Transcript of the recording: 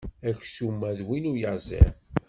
Aksum-a d win uyaẓiḍ.